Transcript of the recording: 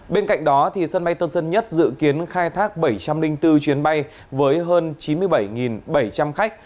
bên cạnh đó sân bay tân sơn nhất dự kiến khai thác bảy trăm linh bốn chuyến bay với hơn chín mươi bảy bảy trăm linh khách